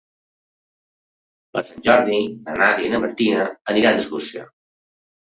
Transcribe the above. Per Sant Jordi na Nàdia i na Martina aniran d'excursió.